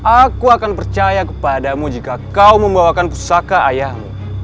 aku akan percaya kepadamu jika kau membawakan pusaka ayahmu